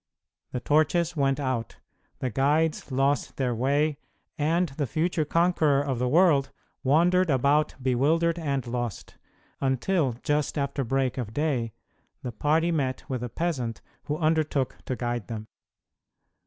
The torches went out, the guides lost their way, and the future conqueror of the world wandered about bewildered and lost, until, just after break of day, the party met with a peasant who undertook to guide them.